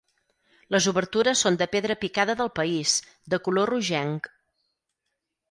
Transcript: Les obertures són de pedra picada del país, de color rogenc.